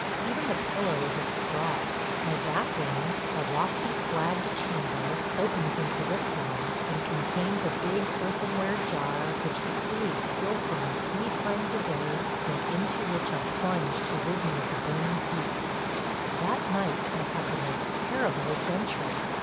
Even the pillow is of straw. My bath room, a lofty flagged chamber, opens into this one, and contains a big earthenware jar which the coolies fill for me three times a day, and into which I plunge to rid me of the burning heat. ... That night I have the most terrible adventure.